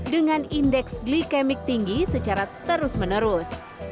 dengan indeks glikemik tinggi secara terus menerus